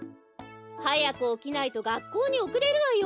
はやくおきないとがっこうにおくれるわよ。